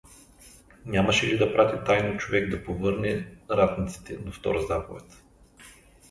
Нямаше ли да прати тайно човек да повърне ратниците, до втора заповед?